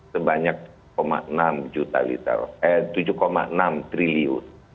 sebanyak rp tujuh enam triliun